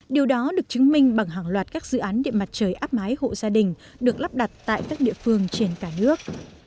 điều đó được chứng minh bằng hàng loạt các dự án điện mặt trời áp mái hộ gia đình được lắp đặt tại các địa phương trên cả nước